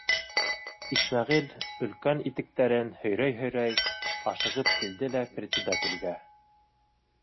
Исмәғил, өлкән итектәрен һөйрәй-һөйрәй, ашығып килде лә председателгә: